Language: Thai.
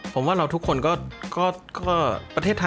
เขาว่าเราทุกคนน่าจะ